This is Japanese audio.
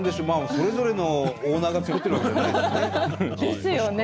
それぞれのオーナーが作ってるわけじゃないですもんね。ですよね。